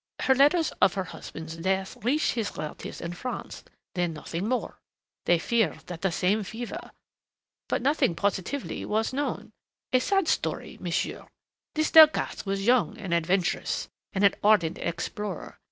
Her letters of her husband's death reached his relatives in France, then nothing more. They feared that the same fever but nothing, positively, was known.... A sad story, monsieur.... This Delcassé was young and adventurous and an ardent explorer.